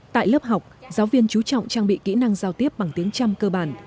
tại lớp học giáo viên chú trọng trang bị kỹ năng giao tiếp bằng tiếng trăm cơ bản